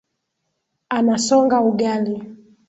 Anasonga ugali.